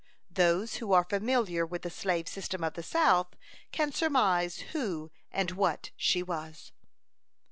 Those who are familiar with the slave system of the South can surmise who and what she was.